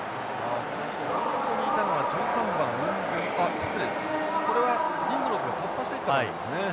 あそこにいたのは１３番あっ失礼これはリングローズが突破していったところですね。